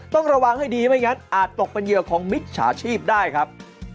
ต้องระวังให้ดีไม่งั้นอาจตกเป็นเหยื่อของมิจฉาชีพได้ครับ